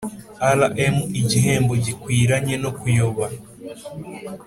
Rm igihembo gikwiranye no kuyoba